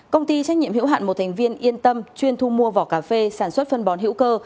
công ty trách nhiệm hữu hạn một thành viên yên tâm chuyên thu mua vỏ cà phê sản xuất phân bón hữu cơ